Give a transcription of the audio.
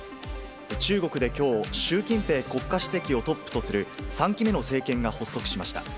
中国できょう、習近平国家主席をトップとする３期目の政権が発足しました。